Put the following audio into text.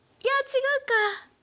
いや違うか。